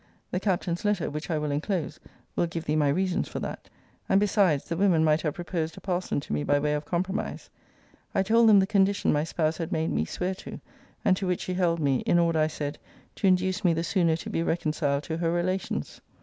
The Captain's letter, which I will enclose, will give thee my reasons for that. And, besides, the women might have proposed a parson to me by way of compromise. 'I told them the condition my spouse had made me swear to; and to which she held me, in order, I said, to induce me the sooner to be reconciled to her relations.